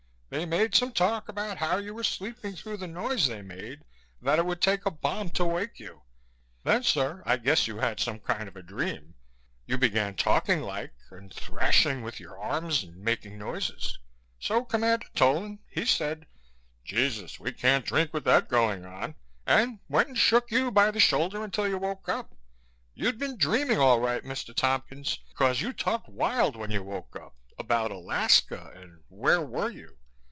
They made some talk about how you were sleeping through the noise they made, that it would take a bomb to wake you. Then, sir, I guess you had some kind of a dream. You began talking like and thrashing with your arms and making noises. So Commander Tolan he said, 'Jesus we can't drink with that going on' and went and shook you by the shoulder until you woke up. You'd been dreaming all right, Mr. Tompkins, because you talked wild when you woke up, about Alaska and where were you.